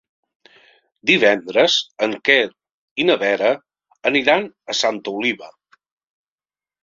Divendres en Quer i na Vera aniran a Santa Oliva.